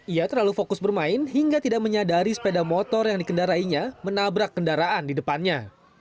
ia terlalu fokus bermain hingga tidak menyadari sepeda motor yang dikendarainya menabrak kendaraan di depannya